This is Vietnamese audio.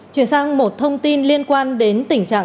chuyển sang một thông tin liên quan đến tỉnh trà ninh